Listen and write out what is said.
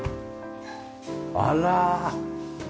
あら。